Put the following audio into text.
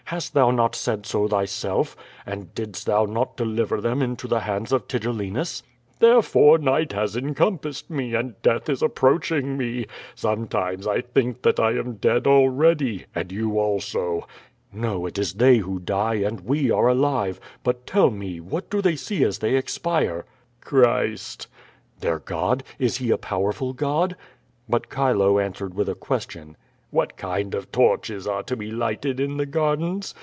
"Hast thou not said so thyself? And didst thou not deliver them into the hands of Tigellinus?" "Therefore night has encompassed me, and death is a]) proaching me. Sometimes I think that I am dead already, and you also." "No, it is they who die, and we are alive. But tell me what do they see as they expire?" "Christ." "Their God? Is He a powerful God?" But Chilo answered with a question: "What kind of torches are to be lighted in the gardens?